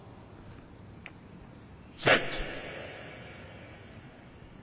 「セット」。